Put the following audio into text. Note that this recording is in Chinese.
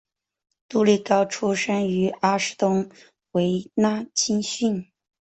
杜利高出身于阿士东维拉青训。